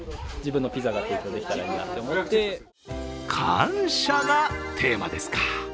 感謝がテーマですか。